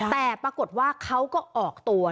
แต่ปรากฏว่าเขาก็ออกตัว